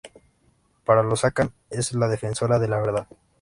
Para los akan, es la defensora de la verdad.